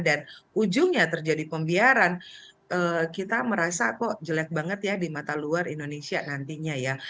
dan ujungnya terjadi pembiaran kita merasa kok jelek banget ya di mata luar indonesia nantinya ya